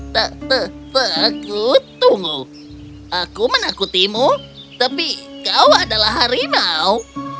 t t t tunggu aku menakutimu tapi kau adalah harimau